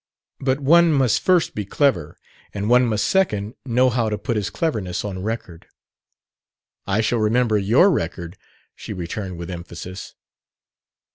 "But one must (first) be clever; and one must (second) know how to put his cleverness on record." "I shall remember your record," she returned with emphasis.